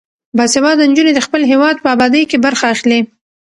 باسواده نجونې د خپل هیواد په ابادۍ کې برخه اخلي.